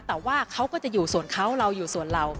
แต่ว่าเขาก็จะอยู่ส่วนเขาเราอยู่ส่วนเรา